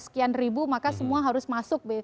sekian ribu maka semua harus masuk